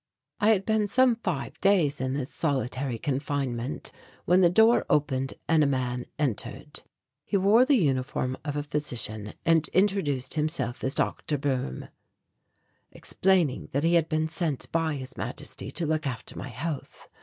I had been some five days in this solitary confinement when the door opened and a man entered. He wore the uniform of a physician and introduced himself as Dr. Boehm, explaining that he had been sent by His Majesty to look after my health.